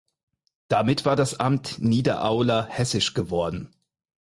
Damit war das Amt Niederaula hessisch geworden.